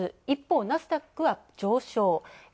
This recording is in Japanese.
一方、ナスダックは上昇。